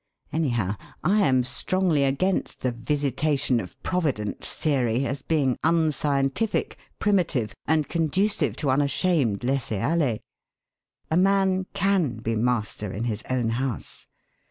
Anyhow, I am strongly against the visitation of Providence theory, as being unscientific, primitive, and conducive to unashamed laissez aller. A man can be master in his own house.